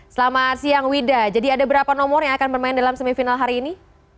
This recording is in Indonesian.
selamat siang wida jadi ada berapa nomor yang akan bermain dalam semifinal hari ini